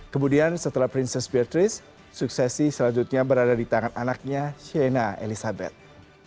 kemudian setelah princess beatrice suksesi selanjutnya berada di tangan anaknya shena elizabeth